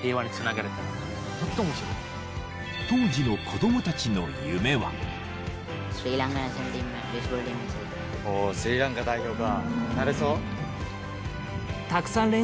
当時の子供たちのスリランカ代表か！